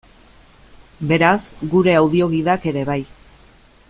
Beraz, gure audio-gidak ere bai.